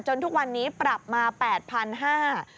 ทุกวันนี้ปรับมา๘๕๐๐บาท